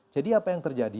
jadi apa yang terjadi